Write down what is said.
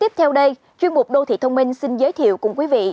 tiếp theo đây chuyên mục đô thị thông minh xin giới thiệu cùng quý vị